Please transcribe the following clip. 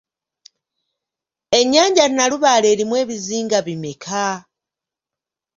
Ennyanja Nnalubaale erimu ebizinga bimmeka?